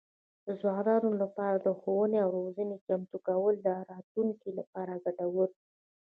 د ځوانانو لپاره د ښوونې او روزنې چمتو کول د راتلونکي لپاره ګټور دي.